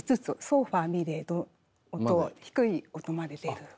ソファミレドと低い音まで出る。